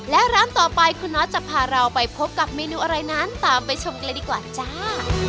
และร้านต่อไปคุณน็อตจะพาเราไปพบกับเมนูอะไรนั้นตามไปชมกันเลยดีกว่าจ้า